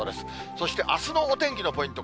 そしてあすの天気のポイント